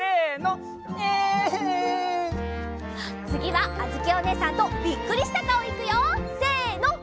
つぎはあづきおねえさんとびっくりしたかおいくよせの！